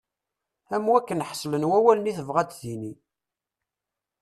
Am wakken ḥeslen wawalen i tebɣa ad d-tini.